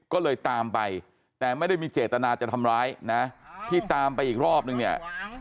ก็เลยตามไปแต่ไม่ได้มีเจตนาจะทำร้ายนะที่ตามไปอีกรอบนึงเนี่ย